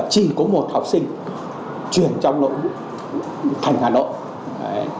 chỉ có một học sinh truyền trong nội thành hà nội